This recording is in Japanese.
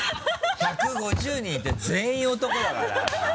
１５０人いて全員男だから。